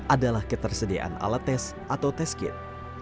adalah ketersediaan alat tes atau tes kit